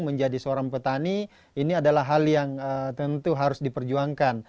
menjadi seorang petani ini adalah hal yang tentu harus diperjuangkan